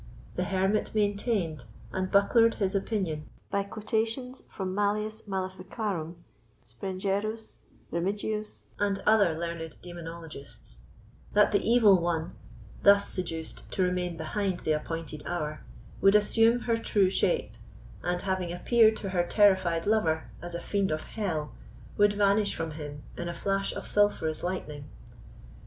The hermit maintained and bucklered his opinion, by quotations from Malleus Malificarum, Sprengerus, Remigius, and other learned demonologists, that the Evil One, thus seduced to remain behind the appointed hour, would assume her true shape, and, having appeared to her terrified lover as a fiend of hell, would vanish from him in a flash of sulphurous lightning.